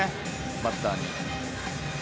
バッターに。